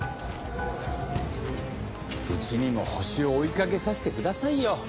うちにもホシを追い掛けさしてくださいよ。